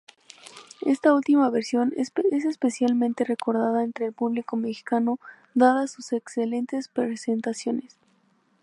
Esta última versión es especialmente recordada entre el público mexicano dadas sus excelentes prestaciones.